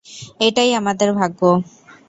এটাই আমাদের ভাগ্য।